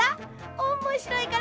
おもしろいから！